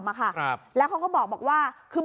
พอหลังจากเกิดเหตุแล้วเจ้าหน้าที่ต้องไปพยายามเกลี้ยกล่อม